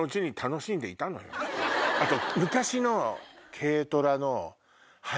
あと。